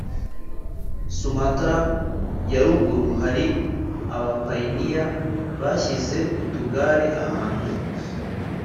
Sumatra ya Ruguru hari abapayiniya bashyize utugare ahantu